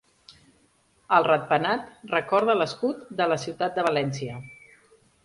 El ratpenat recorda l'escut de la ciutat de València.